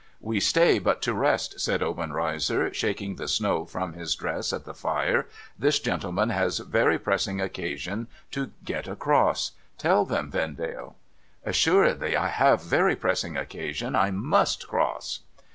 ' We stay but to rest,' said Obenreizer, shaking the snow from his dress at the fire. ' This gentleman has very pressing occasion to get across ; tell them, Vendale.' ' Assuredly, I have very pressing occasion. I must cross.'